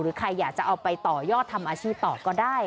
ใครอยากจะเอาไปต่อยอดทำอาชีพต่อก็ได้